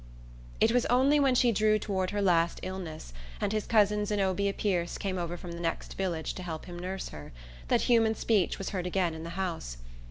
It was only when she drew toward her last illness, and his cousin Zenobia Pierce came over from the next valley to help him nurse her, that human speech was heard again in the house.